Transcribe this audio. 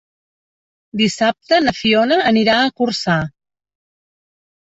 Dissabte na Fiona anirà a Corçà.